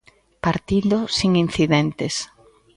Partido sen incidentes.